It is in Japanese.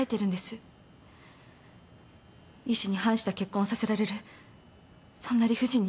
意思に反した結婚をさせられるそんな理不尽に耐えてるんです。